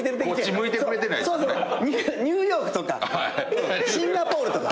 ニューヨークとかシンガポールとか。